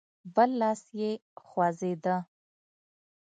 بل لاس يې خوځېده.